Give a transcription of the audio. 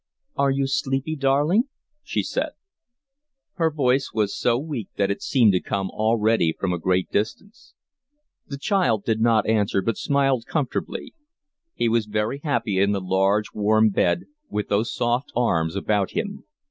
"Are you sleepy, darling?" she said. Her voice was so weak that it seemed to come already from a great distance. The child did not answer, but smiled comfortably. He was very happy in the large, warm bed, with those soft arms about him.